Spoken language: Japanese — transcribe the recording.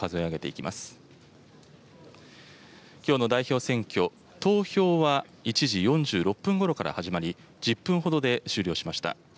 きょうの代表選挙、投票は１時４６分ごろから始まり、１０分ほどで終了しました。